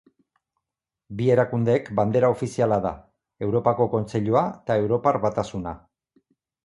Bi erakundeek bandera ofiziala da: Europako Kontseilua eta Europar Batasuna.